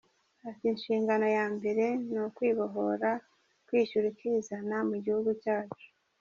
Ati” Inshingano ya mbere ni ukwibohora, kwishyira ukizana mu gihugu cyacu.